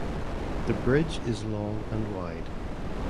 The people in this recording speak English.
The bridge is long and wide.